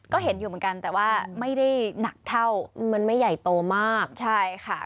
ก็เห็นอยู่เหมือนกันแต่ว่าไม่ได้หนักเท่ามันไม่ใหญ่โตมากใช่ค่ะ